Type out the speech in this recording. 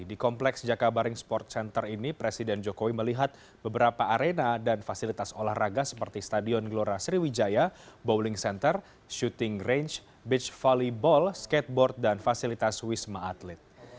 di kompleks jakabaring sport center ini presiden jokowi melihat beberapa arena dan fasilitas olahraga seperti stadion gelora sriwijaya bowling center syuting range beach volleyball skateboard dan fasilitas wisma atlet